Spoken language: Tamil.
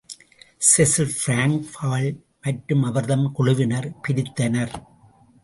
செசில் பிராங்க் பவல் மற்றும் அவர்தம் குழுவினர் பிரித்தனர்.